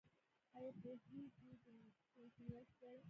ایا پوهیږئ چې مخنیوی څه دی؟